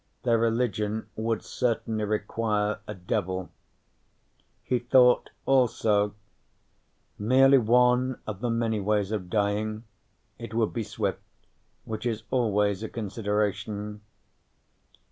Their religion would certainly require a devil. He thought also: _Merely one of the many ways of dying. It would be swift, which is always a consideration.